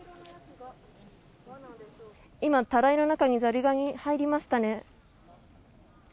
今、たらいの中にザリガニが入りましたね。